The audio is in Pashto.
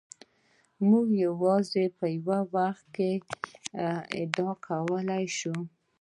موږ یوازې په یو وخت کې ادعا کولای شو.